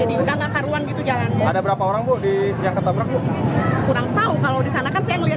itu tukang buah itu